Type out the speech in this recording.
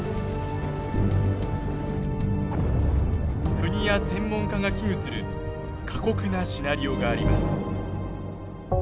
国や専門家が危惧する過酷なシナリオがあります。